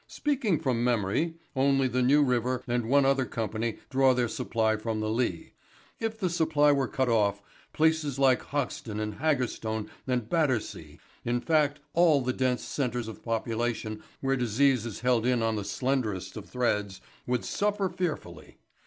Speaking from memory, only the New River and one other company draw their supply from the Lea. If the supply were cut off, places like Hoxton and Haggerstone and Battersea, in fact all the dense centres of population where disease is held in on the slenderest of threads, would suffer fearfully.